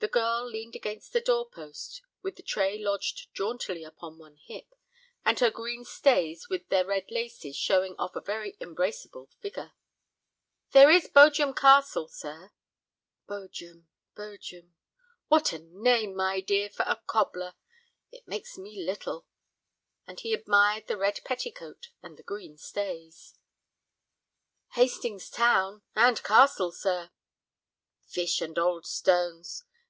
The girl leaned against the door post with the tray lodged jauntily upon one hip, and her green stays with their red laces showing off a very embraceable figure. "There is Bodjam Castle, sir." "Bodjam—Bodjam. What a name, my dear, for a cobbler! It likes me little." And he admired the red petticoat and the green stays. "Hastings Town—and Castle, sir." "Fish and old stones!